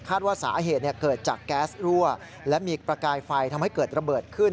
ว่าสาเหตุเกิดจากแก๊สรั่วและมีประกายไฟทำให้เกิดระเบิดขึ้น